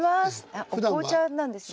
あっお紅茶なんですね。